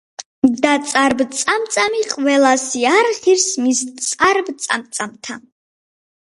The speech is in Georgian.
და წარბ-წამწამი ყველასი არ ღირს მის წარბ-წამწამათა